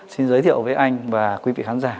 xin giới thiệu với anh và quý vị khán giả